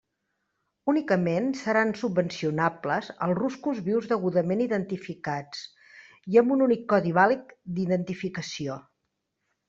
Únicament seran subvencionables els ruscos vius degudament identificats i amb un únic codi vàlid d'identificació.